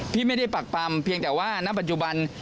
พี่ไม่ได้ปักปำเพียงแต่ว่าณปัจจุบัน